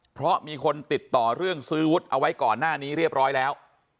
เพราะมีคนติดต่อเรื่องซื้อวุฒิเอาไว้ก่อนหน้านี้เรียบร้อยแล้ว